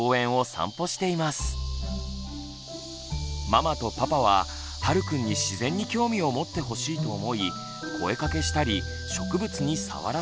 ママとパパははるくんに自然に興味を持ってほしいと思い声かけしたり植物に触らせたり。